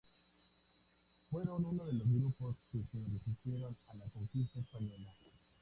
Fueron uno de los grupos que se resistieron a la conquista española.